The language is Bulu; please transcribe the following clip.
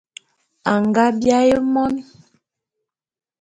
Anga biaé mon.